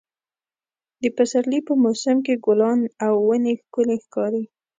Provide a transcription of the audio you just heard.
د پسرلي په موسم کې ګلان او ونې ښکلې ښکاري.